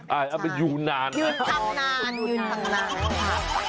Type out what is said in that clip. เอาเป็นยูนนานยืนทำนาน